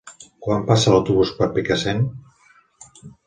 Quan passa l'autobús per Picassent?